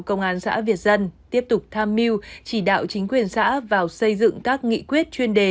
công an xã việt dân tiếp tục tham mưu chỉ đạo chính quyền xã vào xây dựng các nghị quyết chuyên đề